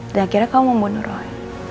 dan akhirnya kamu membunuh roy